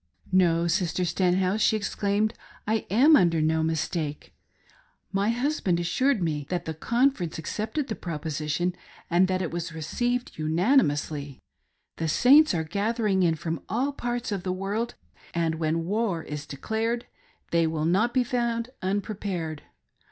"No, Sister Stenhouse," she exclaimed, "I am under no mistake. My husband assured me that the conference accepted the proposition, and that it was received unanimously. The Saints are gathering in from all parts of the world, and when war is declared they will not be found unprepared.